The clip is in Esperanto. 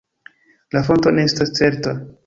La fonto ne estas certa.